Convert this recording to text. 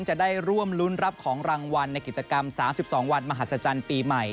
จะได้ร่วมรุ้นรับของรางวัลในกิจกรรม๓๒วันมหัศจรรย์ปีใหม่